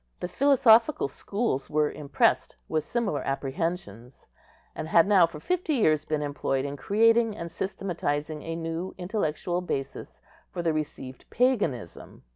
The philosophical schools were impressed with similar apprehensions, and had now for fifty years been employed in creating and systematising a new intellectual basis for the received paganism.